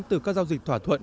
từ các giao dịch thỏa thuận